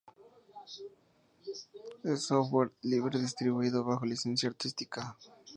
Es software libre distribuido bajo Licencia Artística.